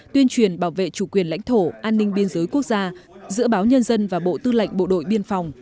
tuyên truyền bảo vệ chủ quyền lãnh thổ an ninh biên giới quốc gia giữa báo nhân dân và bộ tư lệnh bộ đội biên phòng